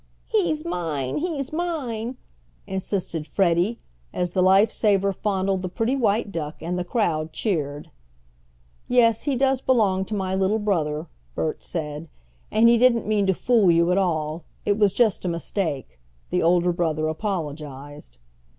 "He's mine! He's mine!" insisted Freddie, as the life saver fondled the pretty white duck, and the crowd cheered. "Yes, he does belong to my little brother," Bert said, "and he didn't mean to fool you at all. It was just a mistake," the older brother apologized.